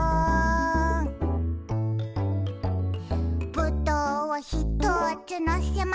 「ぶどうをひとつのせました」